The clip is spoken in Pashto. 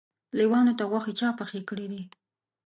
لېوانو ته غوښې چا پخې کړي دي؟